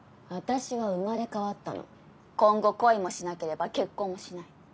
あたしは生まれ変わったの今後恋もしなければ結婚もしない